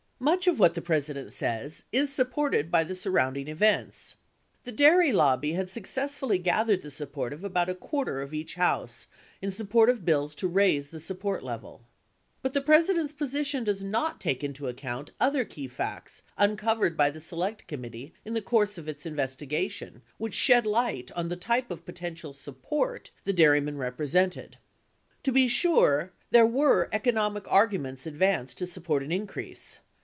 Much of what the President says is supported by the surrounding events. The dairy lobbly had successfully gathered the support of about a quarter of each House in support of bills to raise the support level. But the President's position does not take into account other key facts uncovered by the Select Committee in the course of its investi gation which shed light on the type of potential "support" the dairy men represented. To be sure, there were economic arguments advanced ( 579 ) 580 to support an increase.